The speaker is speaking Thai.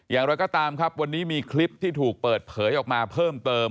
อย่างไรก็ตามครับวันนี้มีคลิปที่ถูกเปิดเผยออกมาเพิ่มเติม